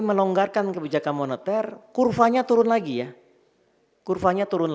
melonggarkan kebijakan moneter kurvanya turun lagi sehingga bunga satu minggu